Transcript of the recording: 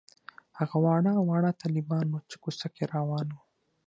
هغه واړه واړه طالبان وو چې کوڅه کې روان وو.